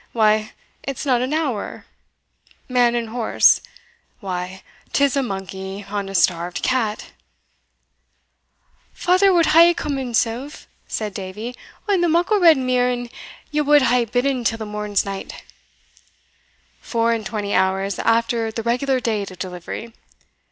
why, it's not an hour Man and horse? why, 'tis a monkey on a starved cat!" "Father wad hae come himsell," said Davie, "on the muckle red mear, an ye wad hae bidden till the morn's night." "Four and twenty hours after the regular date of delivery!